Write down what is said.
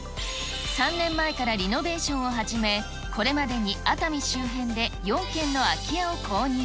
３年前からリノベーションを始め、これまでに熱海周辺で４軒の空き家を購入。